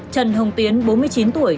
trần hồng tiến bốn mươi chín tuổi